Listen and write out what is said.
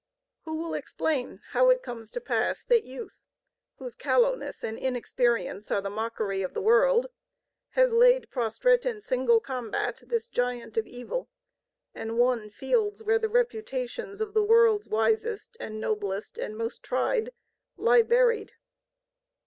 Who will explain how it comes to pass that youth, whose callowness and inexperience are the mockery of the world, has laid prostrate in single combat this giant of evil and won fields where the reputations of the world's wisest and noblest and most tried lie buried?